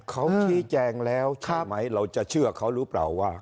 เขาชี้แจงแล้วใช่ไหมเราจะเชื่อเขาหรือเปล่าว่า